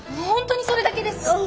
本当にそれだけですか？